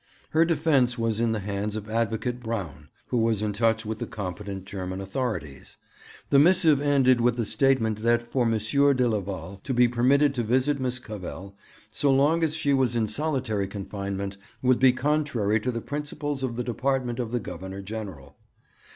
Her defence was in the hands of Advocate Braun, who was in touch with the competent German authorities. The missive ended with the statement that for M. de Leval to be permitted to visit Miss Cavell, so long as she was in solitary confinement, would be contrary to the principles of the Department of the Governor General.